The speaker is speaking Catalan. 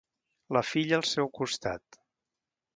La filla al seu costat.